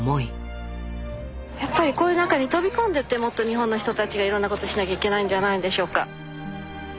やっぱりこういう中に飛び込んでってもっと日本の人たちがいろんなことしなきゃいけないんじゃないんでしょうか。